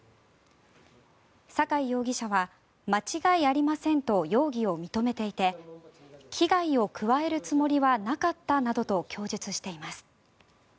酒井容疑者は間違いありませんと容疑を認めていて危害を加えるつもりはなかったなどと供述しています。